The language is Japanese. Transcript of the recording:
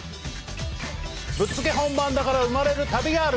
ぶっつけ本番だから生まれる旅がある！